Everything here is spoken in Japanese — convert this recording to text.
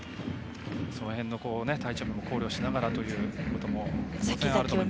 その辺の、体調面も考慮しながらということも。